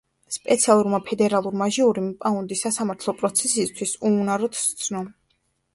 სპეციალურმა ფედერალურმა ჟიურიმ პაუნდი სასამართლო პროცესისთვის უუნაროდ სცნო.